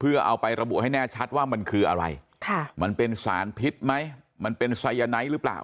เพื่อเอาไประบุให้แน่ชัดว่ามันคืออะไรมันเป็นสารพิษไหมมันเป็นไซยาไนท์หรือเปล่า